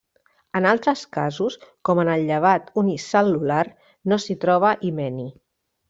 En altres casos, com en el llevat unicel·lular, no s'hi troba himeni.